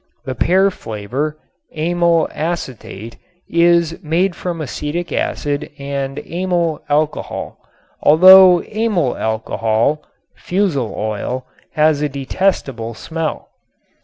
The pear flavor, amyl acetate, is made from acetic acid and amyl alcohol though amyl alcohol (fusel oil) has a detestable smell.